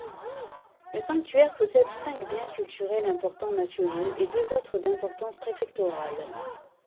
Le sanctuaire possède cinq biens culturels importants nationaux et deux autres d'importance préfectorale.